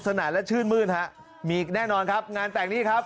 นานและชื่นมื้นฮะมีแน่นอนครับงานแต่งนี่ครับ